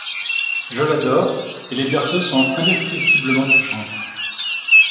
Je l'adore, et les berceuses sont indescriptiblement touchantes.